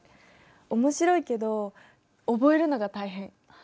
面白いけど覚えるのが大変。